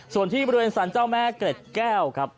ส่วนที่ปรุดระยะสันเจ้าแม่เกรดแก้วครับ